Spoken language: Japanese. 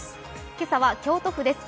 今朝は京都府です。